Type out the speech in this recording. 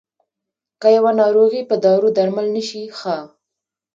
که يوه ناروغي په دارو درمل نه شي ښه.